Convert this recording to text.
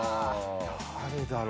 誰だろう。